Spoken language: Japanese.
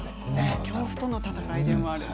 恐怖との戦いでもあると。